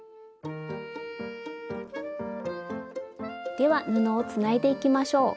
では布をつないでいきましょう。